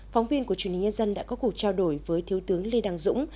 phóng viên của truyền hình nhân dân đã có cuộc trao đổi với thiếu tướng lê đăng dũng